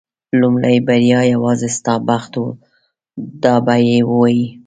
لومړۍ بریا یوازې ستا بخت و دا به یې وایي.